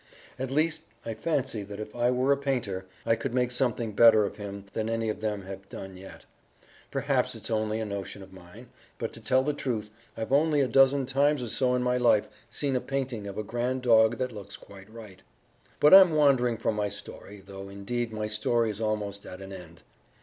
At least, I fancy that if I were a painter I could make something better of him than any of them have done yet. Perhaps it's only a notion of mine, but, to tell the truth, I've only a dozen times or so in my life seen a painting of a grand dog that looks quite right. But I'm wandering from my story, though, indeed, my story is almost at an end.